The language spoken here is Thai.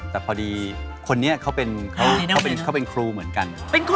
แต่พอดีคนนี้เขาเป็นครูเหมือนกัน